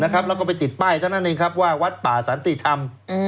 แล้วก็ไปติดป้ายเท่านั้นเองครับว่าวัดป่าสันติธรรม